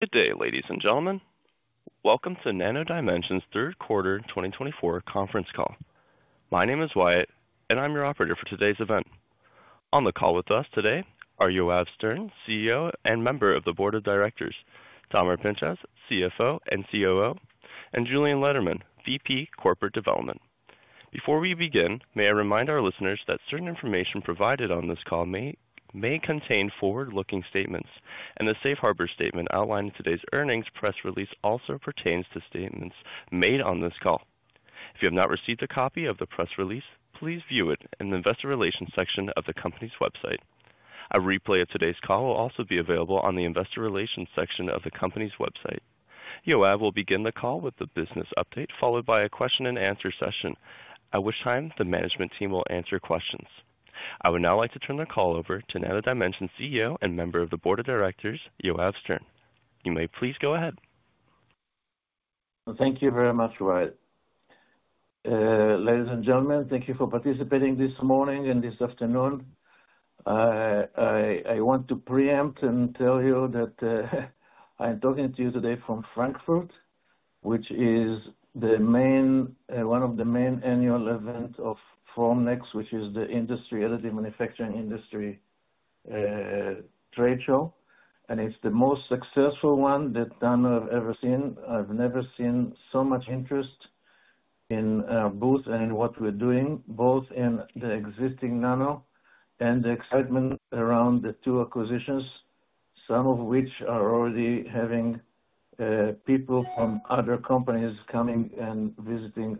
Good day, ladies and gentlemen. Welcome to Nano Dimension's Third quarter 2024 conference call. My name is Wyatt, and I'm your operator for today's event. On the call with us today are Yoav Stern, CEO and Member of the Board of Directors, Tomer Pinchas, CFO and COO, and Julien Lederman, VP Corporate Development. Before we begin, may I remind our listeners that certain information provided on this call may contain forward-looking statements, and the Safe Harbor statement outlining today's earnings press release also pertains to statements made on this call. If you have not received a copy of the press release, please view it in the investor relations section of the company's website. A replay of today's call will also be available on the investor relations section of the company's website. Yoav will begin the call with the business update, followed by a question-and-answer session, at which time the management team will answer questions. I would now like to turn the call over to Nano Dimension's CEO and Member of the Board of Directors, Yoav Stern. You may please go ahead. Thank you very much, Wyatt. Ladies and gentlemen, thank you for participating this morning and this afternoon. I want to preempt and tell you that I'm talking to you today from Frankfurt, which is one of the main annual events of Formnext, which is the industry, the manufacturing industry trade show. And it's the most successful one that Nano has ever seen. I've never seen so much interest in both and in what we're doing, both in the existing Nano and the excitement around the two acquisitions, some of which are already having people from other companies coming and visiting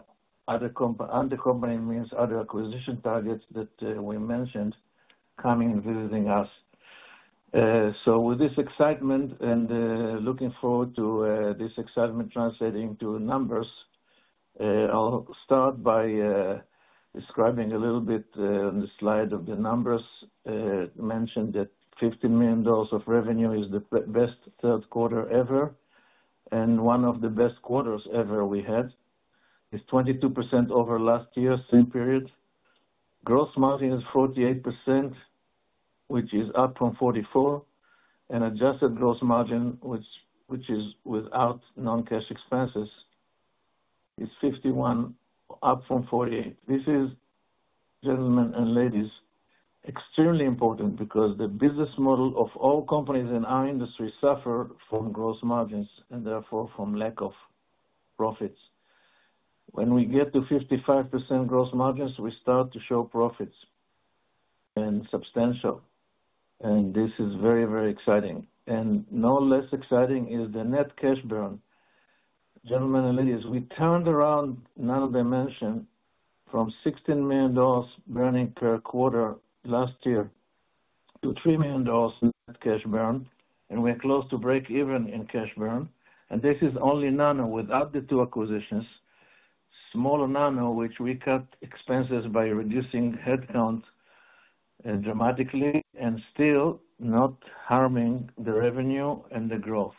other companies. Other companies means other acquisition targets that we mentioned coming and visiting us. So with this excitement and looking forward to this excitement translating to numbers, I'll start by describing a little bit on the slide of the numbers. I mentioned that $15 million of revenue is the best third quarter ever, and one of the best quarters ever we had. It's 22% over last year, same period. Gross margin is 48%, which is up from 44%, and adjusted gross margin, which is without non-cash expenses, is 51%, up from 48%. This is, gentlemen and ladies, extremely important because the business model of all companies in our industry suffers from gross margins and therefore from lack of profits. When we get to 55% gross margins, we start to show profits and substantial, and this is very, very exciting, and no less exciting is the net cash burn. Gentlemen and ladies, we turned around Nano Dimension from $16 million earning per quarter last year to $3 million net cash burn, and we're close to break-even in cash burn, and this is only Nano without the two acquisitions. Smaller Nano, which we cut expenses by reducing headcount dramatically and still not harming the revenue and the growth,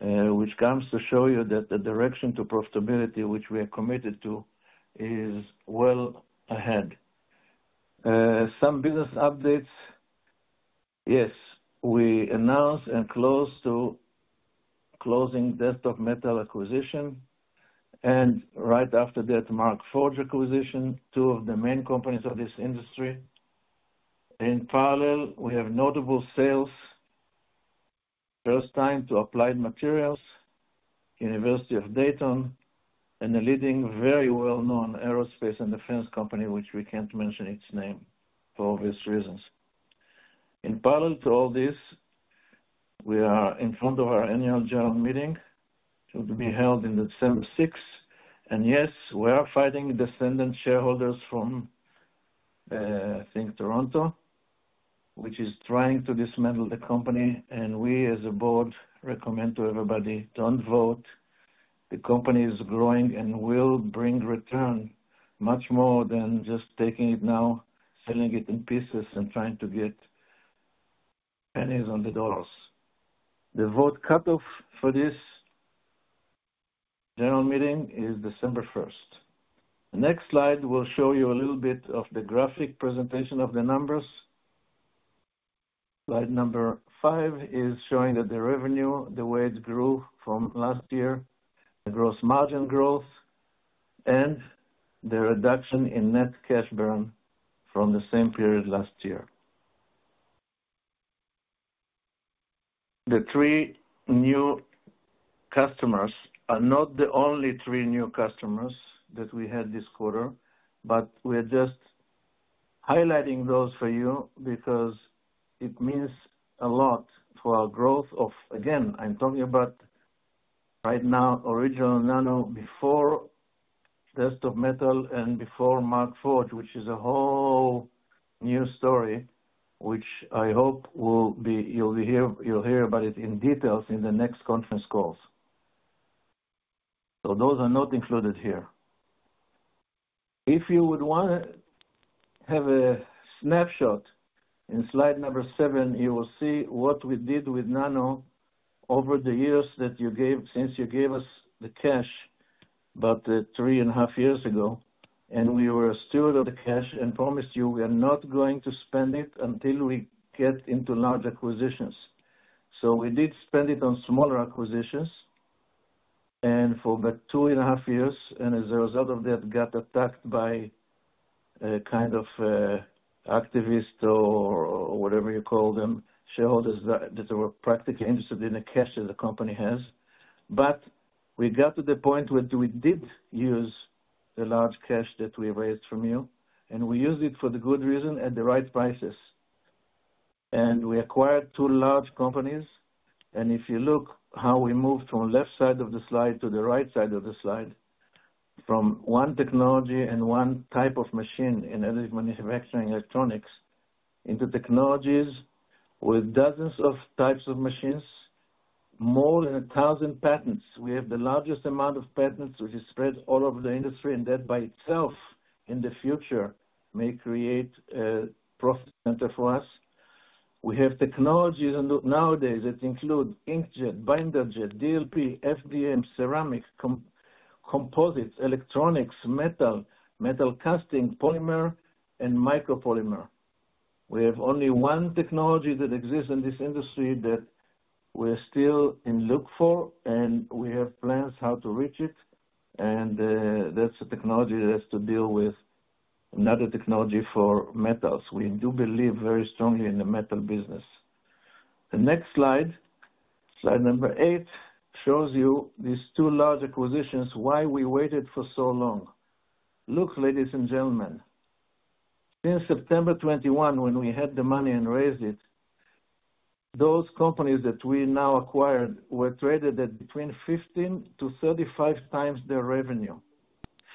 which comes to show you that the direction to profitability, which we are committed to, is well ahead. Some business updates. Yes, we announced and close to closing Desktop Metal acquisition, and right after that, Markforged acquisition, two of the main companies of this industry. In parallel, we have notable sales, first time to Applied Materials, University of Dayton, and a leading, very well-known aerospace and defense company, which we can't mention its name for obvious reasons. In parallel to all this, we are in front of our annual general meeting, which will be held in December 6. And yes, we are fighting dissident shareholders from, I think, Toronto, which is trying to dismantle the company. And we, as a board, recommend to everybody, don't vote. The company is growing and will bring return much more than just taking it now, selling it in pieces, and trying to get pennies on the dollars. The vote cutoff for this general meeting is December 1st. The next slide will show you a little bit of the graphic presentation of the numbers. Slide number five is showing that the revenue, the way it grew from last year, the gross margin growth, and the reduction in net cash burn from the same period last year. The three new customers are not the only three new customers that we had this quarter, but we are just highlighting those for you because it means a lot for our growth of, again, I'm talking about right now, original Nano before Desktop Metal and before Markforged, which is a whole new story, which I hope you'll hear about it in details in the next conference calls. So those are not included here. If you would want to have a snapshot in slide number seven, you will see what we did with Nano over the years that you gave since you gave us the cash about three and a half years ago, and we were steward of the cash and promised you we are not going to spend it until we get into large acquisitions. So we did spend it on smaller acquisitions, and for about two and a half years. And as a result of that, got attacked by a kind of activist or whatever you call them, shareholders that were practically interested in the cash that the company has. But we got to the point where we did use the large cash that we raised from you, and we used it for the good reason at the right prices. And we acquired two large companies. And if you look how we moved from the left side of the slide to the right side of the slide, from one technology and one type of machine in additive manufacturing electronics into technologies with dozens of types of machines, more than 1,000 patents. We have the largest amount of patents, which is spread all over the industry, and that by itself in the future may create a profit center for us. We have technologies nowadays that include inkjet, binder jetting, DLP, FDM, ceramic, composites, electronics, metal, metal casting, polymer, and micropolymer. We have only one technology that exists in this industry that we're still looking for, and we have plans how to reach it, and that's a technology that has to deal with another technology for metals. We do believe very strongly in the metal business. The next slide, slide number eight, shows you these two large acquisitions, why we waited for so long. Look, ladies and gentlemen, since September 21, when we had the money and raised it, those companies that we now acquired were traded at between 15-35x their revenue,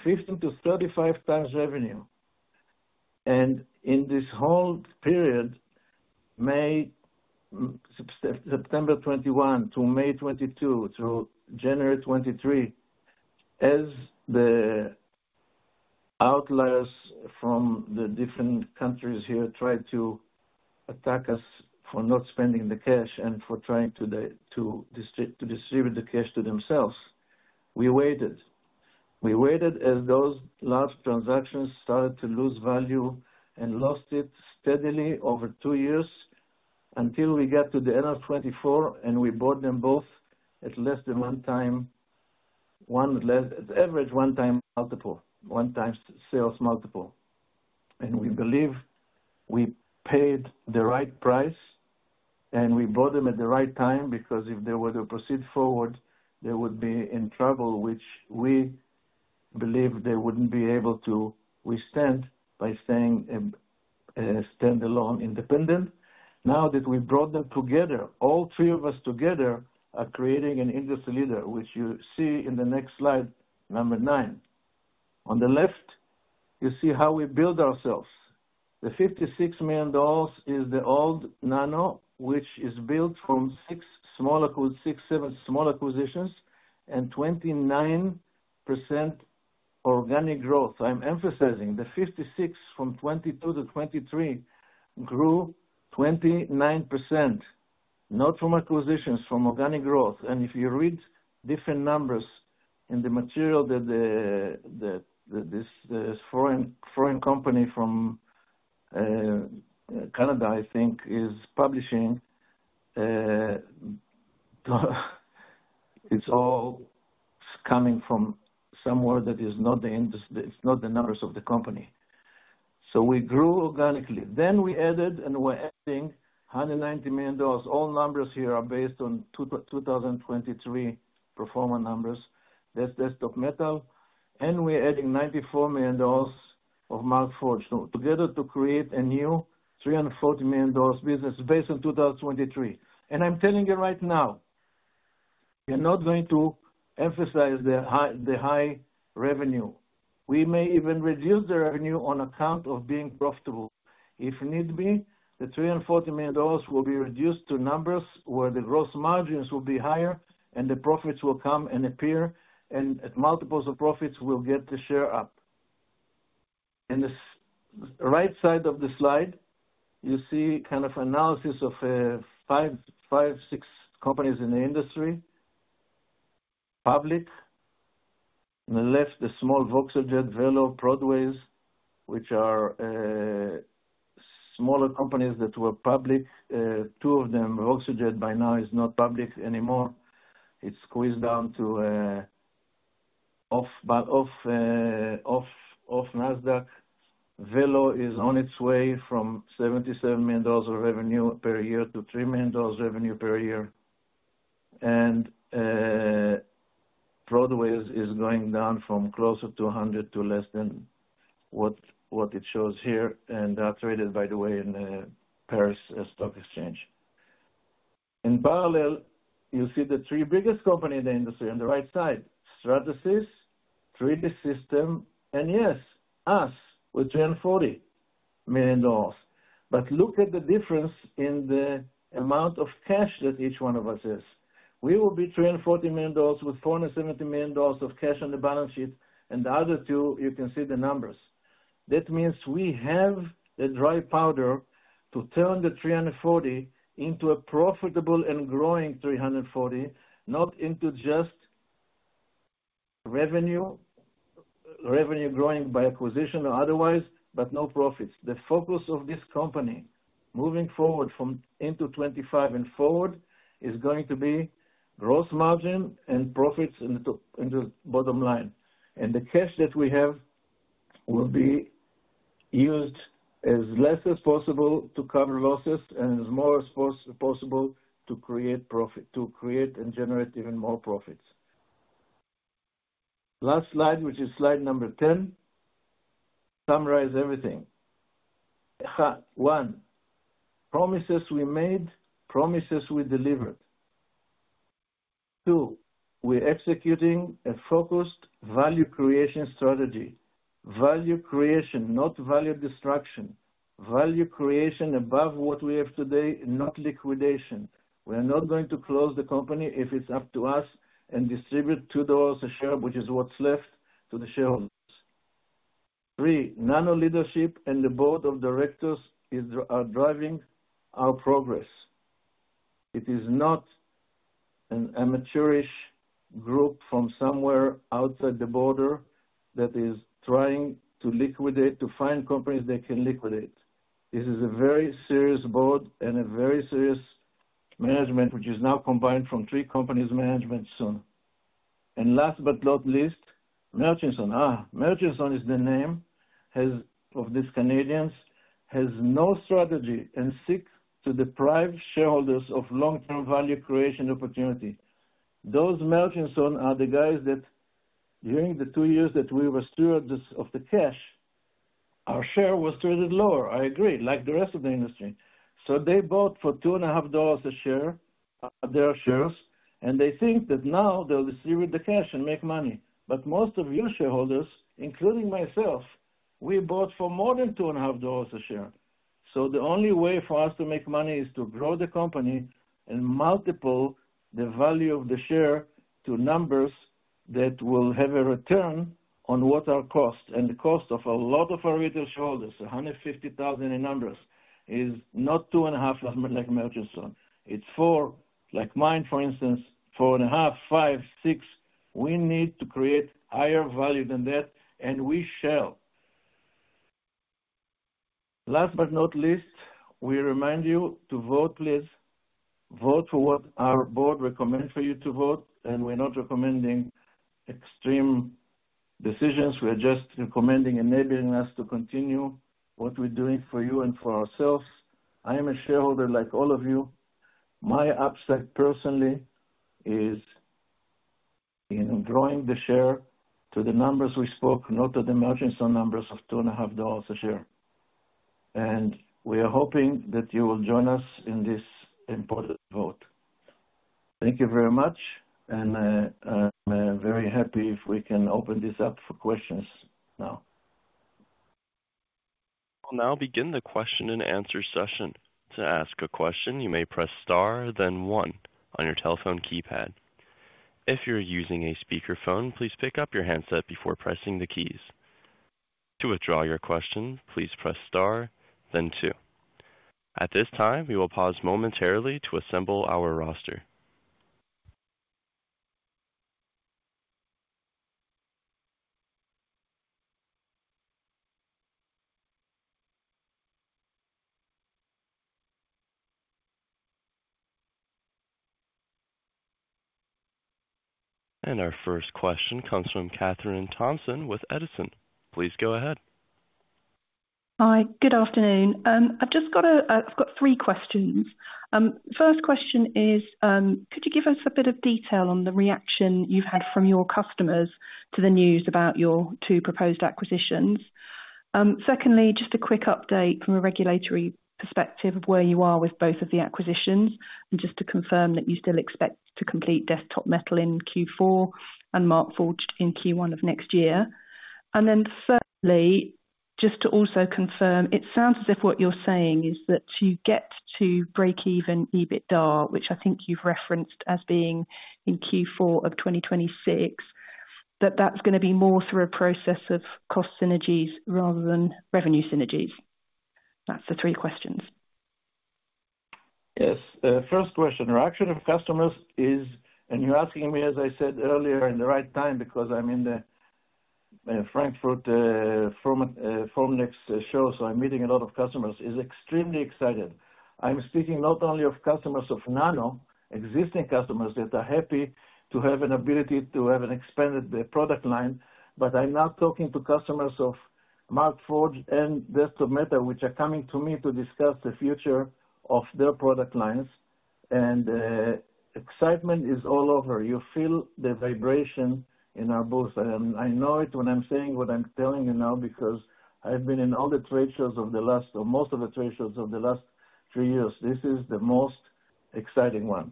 15-35x revenue. And in this whole period, May, September 2021 to May 2022 to January 2023, as the outliers from the different countries here tried to attack us for not spending the cash and for trying to distribute the cash to themselves, we waited. We waited as those large transactions started to lose value and lost it steadily over two years until we got to the end of 2024, and we bought them both at less than one-time, one average one-time multiple, one-time sales multiple. And we believe we paid the right price, and we bought them at the right time because if they were to proceed forward, they would be in trouble, which we believe they wouldn't be able to withstand by staying standalone, independent. Now that we brought them together, all three of us together are creating an industry leader, which you see in the next slide, number nine. On the left, you see how we build ourselves. The $56 million is the old Nano, which is built from six, seven small acquisitions and 29% organic growth. I'm emphasizing the 56 from 2022 to 2023 grew 29%, not from acquisitions, from organic growth. If you read different numbers in the material that this foreign company from Canada, I think, is publishing, it's all coming from somewhere that is not the industry, it's not the numbers of the company. So we grew organically. Then we added and we're adding $190 million. All numbers here are based on 2023 performance numbers. That's Desktop Metal. We're adding $94 million of Markforged together to create a new $340 million business based on 2023. I'm telling you right now, we're not going to emphasize the high revenue. We may even reduce the revenue on account of being profitable. If need be, the $340 million will be reduced to numbers where the gross margins will be higher and the profits will come and appear, and multiples of profits will get the share up. In the right side of the slide, you see kind of analysis of five, six companies in the industry, public. On the left, the small Voxeljet, Velo3D, Prodways, which are smaller companies that were public. Two of them, Voxeljet by now is not public anymore. It's squeezed down to off Nasdaq. Velo3D is on its way from $77 million of revenue per year to $3 million revenue per year. And Prodways is going down from closer to 100 to less than what it shows here, and that's traded, by the way, in the Paris Stock Exchange. In parallel, you see the three biggest companies in the industry on the right side, Stratasys, 3D Systems, and yes, us with $340 million, but look at the difference in the amount of cash that each one of us is. We will be $340 million with $470 million of cash on the balance sheet, and the other two, you can see the numbers. That means we have the dry powder to turn the $340 into a profitable and growing $340, not into just revenue, revenue growing by acquisition or otherwise, but no profits. The focus of this company moving forward from now into 2025 and forward is going to be gross margin and profits into bottom line, and the cash that we have will be used as less as possible to cover losses and as more as possible to create profit, to create and generate even more profits. Last slide, which is slide number 10, summarize everything. One, promises we made, promises we delivered. Two, we're executing a focused value creation strategy. Value creation, not value destruction. Value creation above what we have today, not liquidation. We're not going to close the company if it's up to us and distribute $2 a share, which is what's left to the shareholders. Three, Nano leadership and the board of directors are driving our progress. It is not an amateurish group from somewhere outside the border that is trying to liquidate, to find companies they can liquidate. This is a very serious board and a very serious management, which is now combined from three companies' management soon. And last but not least, Murchison, Murchison is the name, has of these Canadians, has no strategy and seeks to deprive shareholders of long-term value creation opportunity. Those Murchison are the guys that during the two years that we were stewards of the cash, our share was traded lower. I agree, like the rest of the industry. So they bought for $2.5 a share, their shares, and they think that now they'll distribute the cash and make money. But most of your shareholders, including myself, we bought for more than $2.5 a share. So the only way for us to make money is to grow the company and multiply the value of the share to numbers that will have a return on what our cost and the cost of a lot of our retail shareholders, 150,000 in numbers, is not $2.5 like Murchison. It's $4, like mine, for instance, $4.5, $5, $6. We need to create higher value than that, and we shall. Last but not least, we remind you to vote, please. Vote for what our board recommends for you to vote, and we're not recommending extreme decisions. We're just recommending enabling us to continue what we're doing for you and for ourselves. I am a shareholder like all of you. My upside personally is in growing the share to the numbers we spoke, not to the Murchison numbers of $2.5 a share. And we are hoping that you will join us in this important vote. Thank you very much, and I'm very happy if we can open this up for questions now. We'll now begin the question and answer session. To ask a question, you may press star, then one on your telephone keypad. If you're using a speakerphone, please pick up your handset before pressing the keys. To withdraw your question, please press star, then two. At this time, we will pause momentarily to assemble our roster. And our first question comes from Katherine Thompson with Edison. Please go ahead. Hi, good afternoon. I've got three questions. First question is, could you give us a bit of detail on the reaction you've had from your customers to the news about your two proposed acquisitions? Secondly, just a quick update from a regulatory perspective of where you are with both of the acquisitions, and just to confirm that you still expect to complete Desktop Metal in Q4 and Markforged in Q1 of next year. And then thirdly, just to also confirm, it sounds as if what you're saying is that to get to break-even EBITDA, which I think you've referenced as being in Q4 of 2026, that that's going to be more through a process of cost synergies rather than revenue synergies. That's the three questions. Yes. First question, reaction of customers is, and you're asking me, as I said earlier, in the right time because I'm in the Frankfurt Formnext show, so I'm meeting a lot of customers, is extremely excited. I'm speaking not only of customers of Nano, existing customers that are happy to have an ability to have an expanded product line, but I'm now talking to customers of Markforged and Desktop Metal, which are coming to me to discuss the future of their product lines. And excitement is all over. You feel the vibration in our booth. And I know it when I'm saying what I'm telling you now because I've been in all the trade shows of the last, or most of the trade shows of the last three years. This is the most exciting one.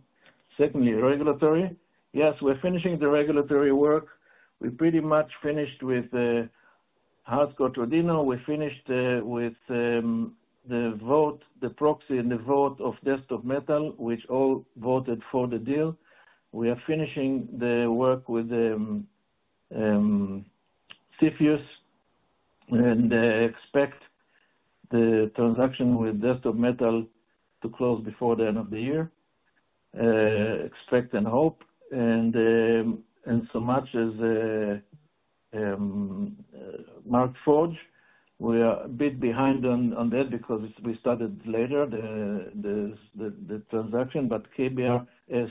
Secondly, regulatory. Yes, we're finishing the regulatory work. We pretty much finished with Hart-Scott-Rodino. We finished with the vote, the proxy and the vote of Desktop Metal, which all voted for the deal. We are finishing the work with CFIUS and expect the transaction with Desktop Metal to close before the end of the year. Expect and hope. And so much as Markforged, we are a bit behind on that because we started later the transaction, but HSR,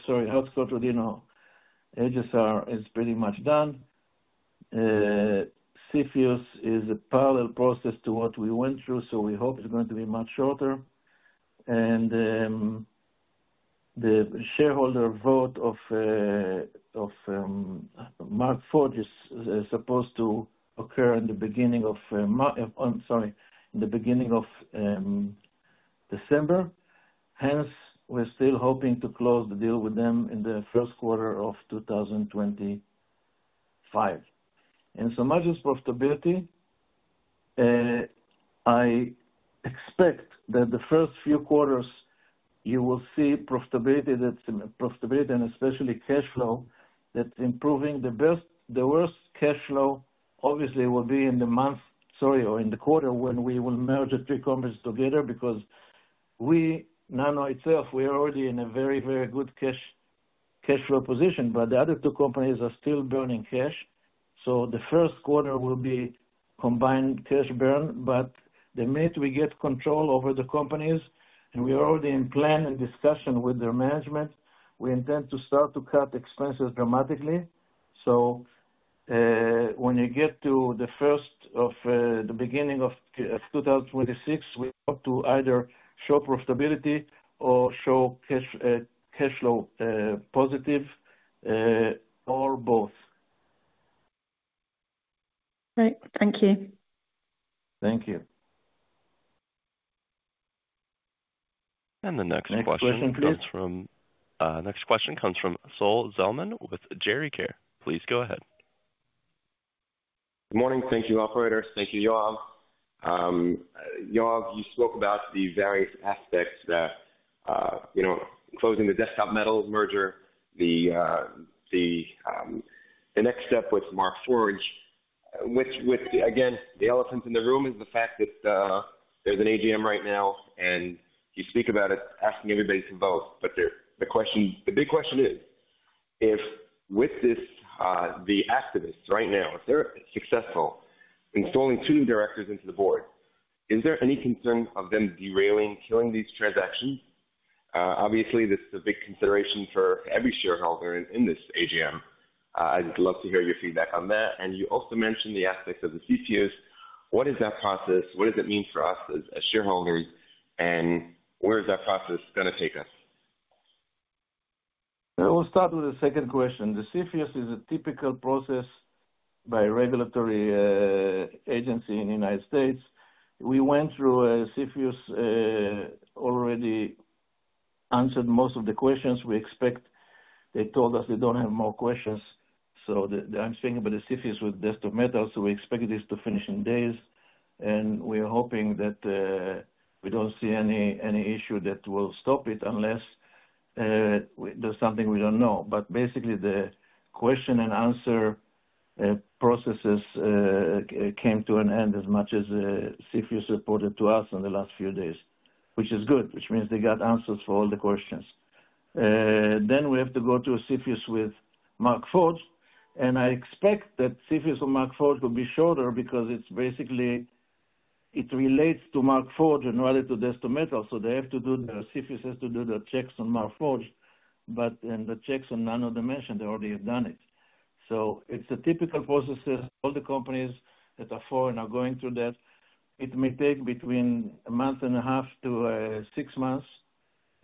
sorry, Hart-Scott-Rodino, HSR is pretty much done. CFIUS is a parallel process to what we went through, so we hope it's going to be much shorter. And the shareholder vote of Markforged is supposed to occur in the beginning of, sorry, in the beginning of December. Hence, we're still hoping to close the deal with them in the first quarter of 2025. As much as profitability, I expect that the first few quarters you will see profitability. That's profitability and especially cash flow that's improving. The worst cash flow obviously will be in the month, sorry, or in the quarter when we will merge the three companies together because we, Nano itself, we are already in a very, very good cash flow position, but the other two companies are still burning cash. So the first quarter will be combined cash burn, but the minute we get control over the companies, and we are already in plan and discussion with their management, we intend to start to cut expenses dramatically. So when you get to the first of the beginning of 2026, we hope to either show profitability or show cash flow positive or both. Great. Thank you. Thank you. And the next question comes from. Next question comes from Sol Zelman with Geri-Care. Please go ahead. Good morning. Thank you, operators. Thank you, Yoav. Yoav, you spoke about the various aspects that closing the Desktop Metal merger, the next step with Markforged, which, again, the elephant in the room is the fact that there's an AGM right now, and you speak about it asking everybody to vote. But the big question is, if with this, the activists right now, if they're successful in installing two new directors into the board, is there any concern of them derailing, killing these transactions? Obviously, this is a big consideration for every shareholder in this AGM. I'd love to hear your feedback on that. And you also mentioned the aspects of the CFIUS. What is that process? What does it mean for us as shareholders? And where is that process going to take us? We'll start with the second question. The CFIUS is a typical process by a regulatory agency in the United States. We went through CFIUS, already answered most of the questions. We expect they told us they don't have more questions, so I'm speaking about the CFIUS with Desktop Metal, so we expect this to finish in days, and we are hoping that we don't see any issue that will stop it unless there's something we don't know. But basically, the question and answer processes came to an end as much as CFIUS reported to us in the last few days, which is good, which means they got answers for all the questions, then we have to go to CFIUS with Markforged, and I expect that CFIUS with Markforged will be shorter because it's basically, it relates to Markforged rather than to Desktop Metal. So they have to do their CFIUS has to do their checks on Markforged, but the checks on Nano Dimension, they already have done it. So it's a typical process. All the companies that are foreign are going through that. It may take between a month and a half to six months.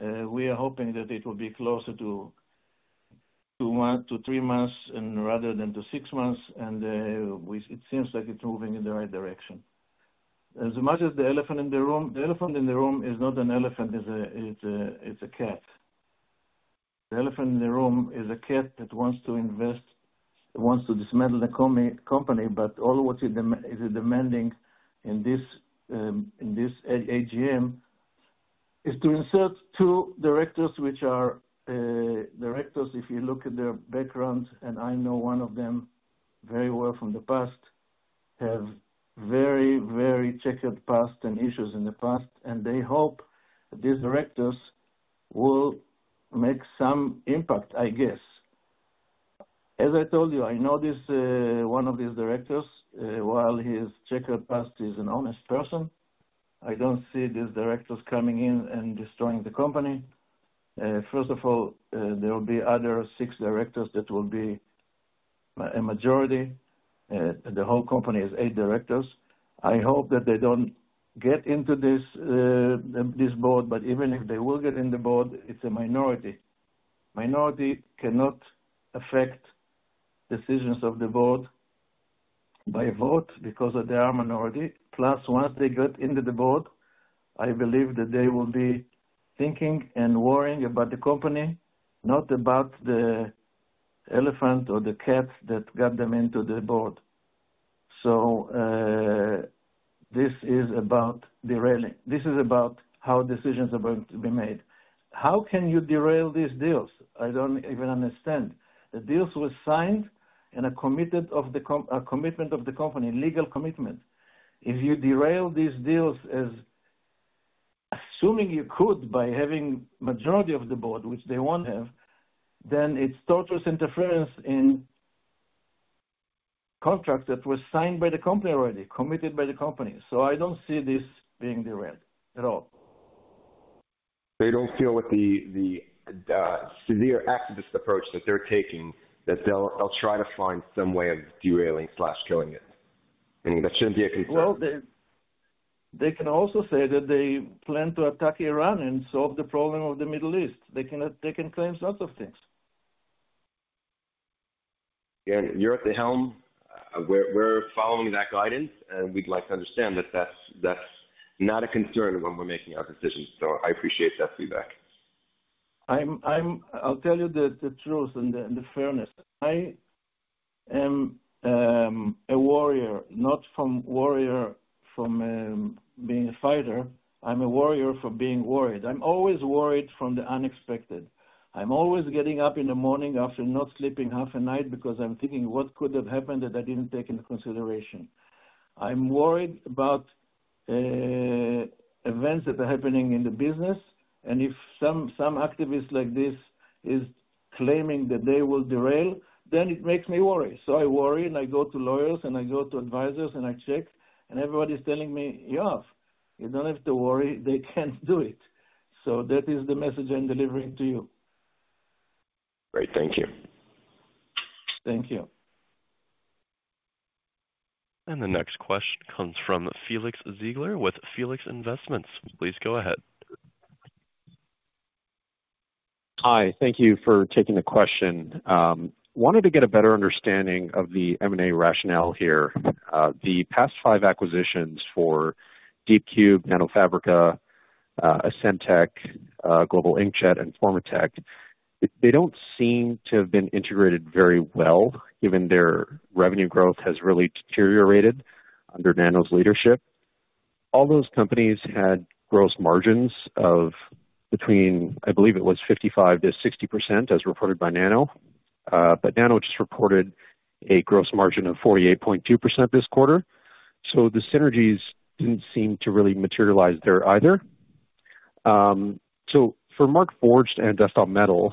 We are hoping that it will be closer to two to three months and rather than to six months. And it seems like it's moving in the right direction. As much as the elephant in the room, the elephant in the room is not an elephant. It's a cat. The elephant in the room is a cat that wants to invest, wants to dismantle the company, but all what it is demanding in this AGM is to insert two directors, which are directors, if you look at their background, and I know one of them very well from the past, have very, very checkered past and issues in the past, and they hope that these directors will make some impact, I guess. As I told you, I know one of these directors, while his checkered past is an honest person, I don't see these directors coming in and destroying the company. First of all, there will be other six directors that will be a majority. The whole company is eight directors. I hope that they don't get into this board, but even if they will get in the board, it's a minority. Minority cannot affect decisions of the board by vote because they are a minority. Plus, once they get into the board, I believe that they will be thinking and worrying about the company, not about the elephant or the cat that got them into the board. So this is about derailing. This is about how decisions are going to be made. How can you derail these deals? I don't even understand. The deals were signed and a commitment of the company, legal commitment. If you derail these deals, assuming you could by having a majority of the board, which they won't have, then it's tortious interference in contracts that were signed by the company already, committed by the company. So I don't see this being derailed at all. They don't feel with the severe activist approach that they're taking that they'll try to find some way of derailing slash killing it. I mean, that shouldn't be a concern. Well, they can also say that they plan to attack Iran and solve the problem of the Middle East. They can claim lots of things. You're at the helm. We're following that guidance, and we'd like to understand that that's not a concern when we're making our decisions. So I appreciate that feedback. I'll tell you the truth and the fairness. I am a warrior, not from being a fighter. I'm a warrior for being worried. I'm always worried from the unexpected. I'm always getting up in the morning after not sleeping half a night because I'm thinking, what could have happened that I didn't take into consideration? I'm worried about events that are happening in the business. And if some activist like this is claiming that they will derail, then it makes me worry. So I worry, and I go to lawyers, and I go to advisors, and I check, and everybody's telling me, "Yoav, you don't have to worry. They can do it." So that is the message I'm delivering to you. Great. Thank you. Thank you. And the next question comes from Felix Ziegler with Felix Investments. Please go ahead. Hi. Thank you for taking the question. Wanted to get a better understanding of the M&A rationale here. The past five acquisitions for DeepCube, NanoFabrica, Essemtec, Global Inkjet, and Formatec, they don't seem to have been integrated very well, given their revenue growth has really deteriorated under Nano's leadership. All those companies had gross margins of between, I believe it was 55%-60%, as reported by Nano. But Nano just reported a gross margin of 48.2% this quarter. So the synergies didn't seem to really materialize there either. So for Markforged and Desktop Metal,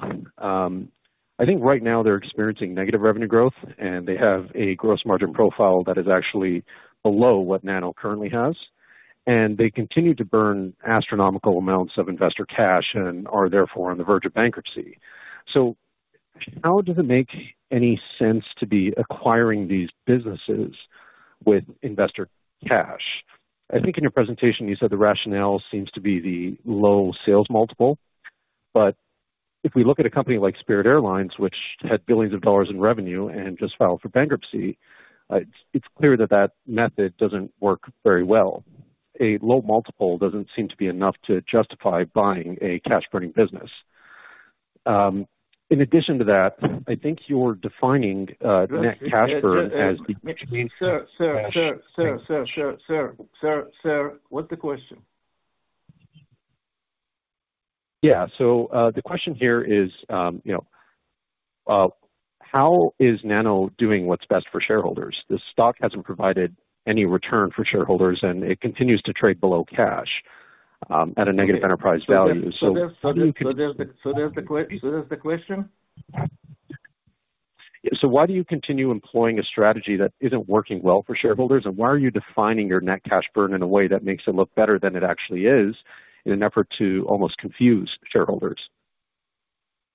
I think right now they're experiencing negative revenue growth, and they have a gross margin profile that is actually below what Nano currently has. And they continue to burn astronomical amounts of investor cash and are therefore on the verge of bankruptcy. So how does it make any sense to be acquiring these businesses with investor cash? I think in your presentation, you said the rationale seems to be the low sales multiple. But if we look at a company like Spirit Airlines, which had billions of dollars in revenue and just filed for bankruptcy, it's clear that that method doesn't work very well. A low multiple doesn't seem to be enough to justify buying a cash-burning business. In addition to that, I think you're defining net cash burn as. What's the question? Yeah. So the question here is, how is Nano doing what's best for shareholders? The stock hasn't provided any return for shareholders, and it continues to trade below cash at a negative enterprise value. So there's the question. So why do you continue employing a strategy that isn't working well for shareholders? And why are you defining your net cash burn in a way that makes it look better than it actually is in an effort to almost confuse shareholders?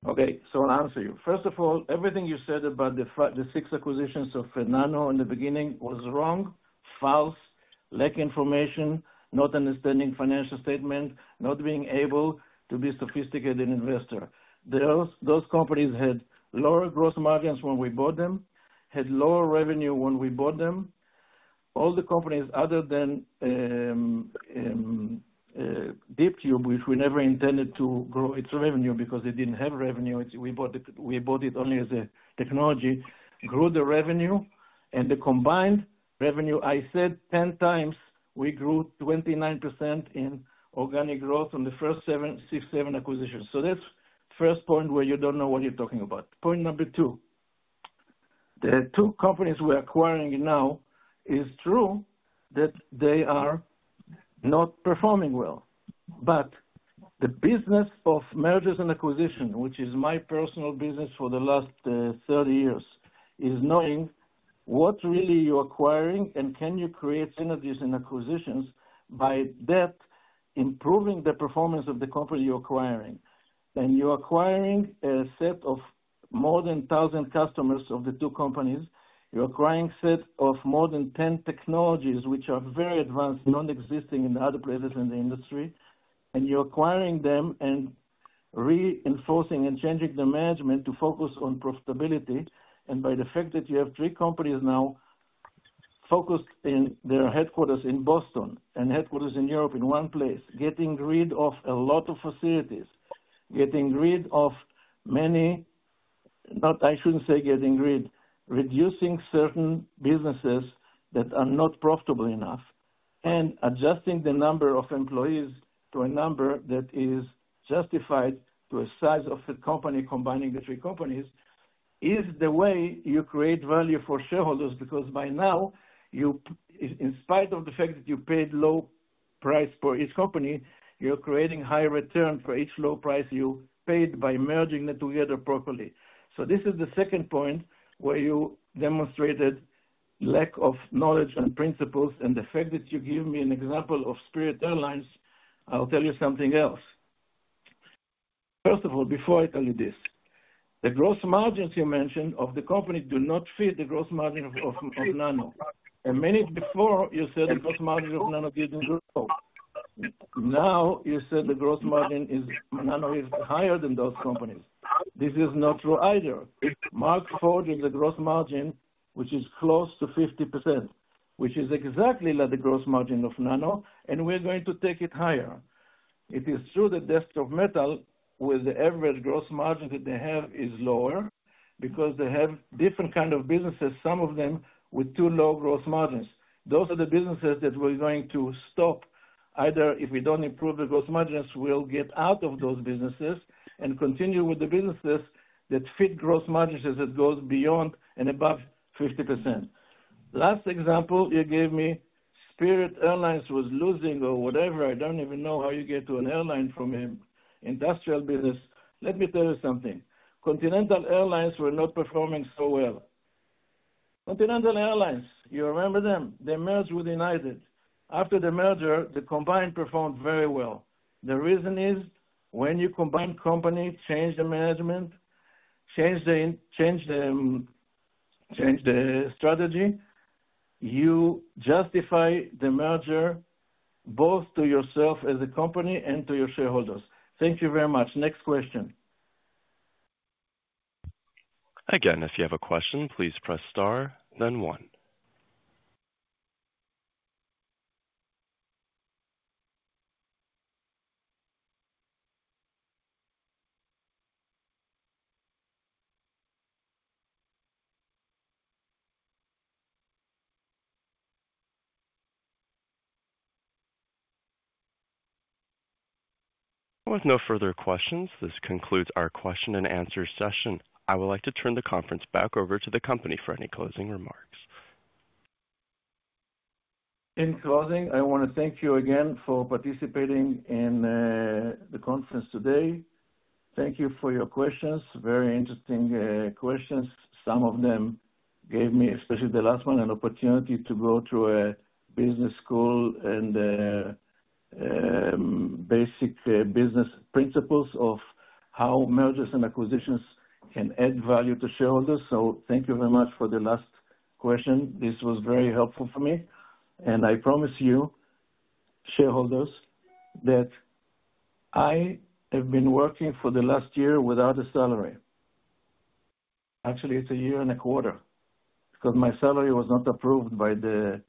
Okay. So I'll answer you. First of all, everything you said about the six acquisitions of Nano in the beginning was wrong, false, lack of information, not understanding financial statement, not being able to be a sophisticated investor. Those companies had lower gross margins when we bought them, had lower revenue when we bought them. All the companies other than DeepCube, which we never intended to grow its revenue because they didn't have revenue. We bought it only as a technology, grew the revenue, and the combined revenue. I said 10x, we grew 29% in organic growth on the first six, seven acquisitions. So that's the first point where you don't know what you're talking about. Point number two, the two companies we're acquiring now, it's true that they are not performing well. But the business of mergers and acquisitions, which is my personal business for the last 30 years, is knowing what really you're acquiring and can you create synergies and acquisitions by that improving the performance of the company you're acquiring, and you're acquiring a set of more than 1,000 customers of the two companies. You're acquiring a set of more than 10 technologies, which are very advanced, nonexistent in other places in the industry, and you're acquiring them and reinforcing and changing the management to focus on profitability, and by the fact that you have three companies now focused in their headquarters in Boston and headquarters in Europe in one place, getting rid of a lot of facilities, getting rid of many, not I shouldn't say getting rid, reducing certain businesses that are not profitable enough, and adjusting the number of employees to a number that is justified to a size of the company combining the three companies is the way you create value for shareholders. Because by now, in spite of the fact that you paid low price for each company, you're creating high return for each low price you paid by merging them together properly. So this is the second point where you demonstrated lack of knowledge and principles. And the fact that you gave me an example of Spirit Airlines, I'll tell you something else. First of all, before I tell you this, the gross margins you mentioned of the company do not fit the gross margin of Nano. A minute before, you said the gross margin of Nano didn't grow. Now you said the gross margin of Nano is higher than those companies. This is not true either. Markforged has a gross margin which is close to 50%, which is exactly like the gross margin of Nano, and we're going to take it higher. It is true that Desktop Metal, with the average gross margin that they have, is lower because they have different kinds of businesses, some of them with too low gross margins. Those are the businesses that we're going to stop. Either if we don't improve the gross margins, we'll get out of those businesses and continue with the businesses that fit gross margins that go beyond and above 50%. Last example you gave me, Spirit Airlines was losing or whatever. I don't even know how you get to an airline from an industrial business. Let me tell you something. Continental Airlines were not performing so well. Continental Airlines, you remember them? They merged with United. After the merger, the combined performed very well. The reason is when you combine companies, change the management, change the strategy, you justify the merger both to yourself as a company and to your shareholders. Thank you very much. Next question. Again, if you have a question, please press star, then one. With no further questions, this concludes our question and answer session. I would like to turn the conference back over to the company for any closing remarks. In closing, I want to thank you again for participating in the conference today. Thank you for your questions. Very interesting questions. Some of them gave me, especially the last one, an opportunity to go through a business school and basic business principles of how mergers and acquisitions can add value to shareholders. So thank you very much for the last question. This was very helpful for me. And I promise you, shareholders, that I have been working for the last year without a salary. Actually, it's a year and a quarter because my salary was not approved by the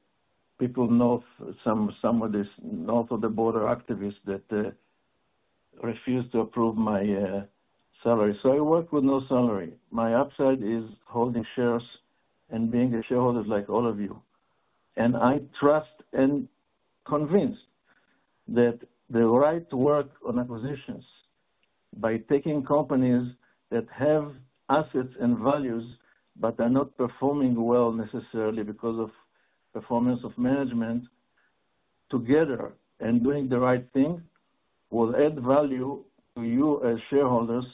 people north, some of these north of the border activists that refused to approve my salary. So I work with no salary. My upside is holding shares and being a shareholder like all of you, and I trust and convinced that the right work on acquisitions by taking companies that have assets and values but are not performing well necessarily because of performance of management together and doing the right thing will add value to you as shareholders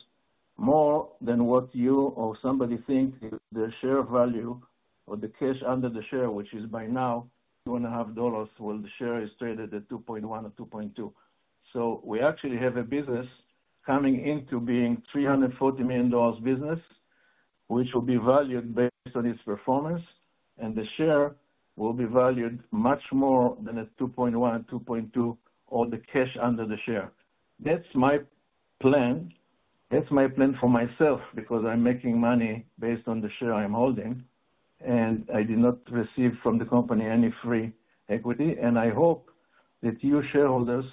more than what you or somebody thinks the share value or the cash under the share, which is by now $2.50 when the share is traded at $2.1 or $2.2, so we actually have a business coming into being $340 million business, which will be valued based on its performance, and the share will be valued much more than at $2.1, $2.2, or the cash under the share. That's my plan. That's my plan for myself because I'm making money based on the share I'm holding, and I did not receive from the company any free equity. And I hope that you shareholders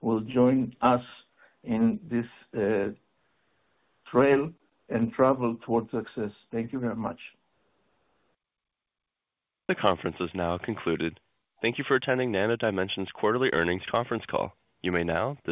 will join us in this trail and travel towards success. Thank you very much. The conference is now concluded. Thank you for attending Nano Dimension's quarterly earnings conference call. You may now disconnect.